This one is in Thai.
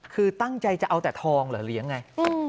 คือตั้งใจจะเอาแต่ทองเหรอเลี้ยงไง